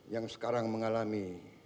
yang sekarang mengalami